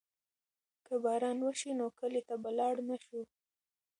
که باران وشي نو کلي ته به لاړ نه شو.